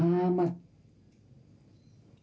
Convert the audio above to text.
kau mana sih mah